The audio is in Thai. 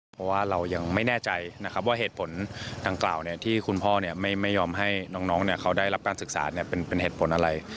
เพราะว่าเรายังไม่แน่ใจนะครับว่าเหตุผลดังกล่าวที่คุณพ่อไม่ยอมให้น้องเขาได้รับการศึกษาเป็นเหตุผลอะไร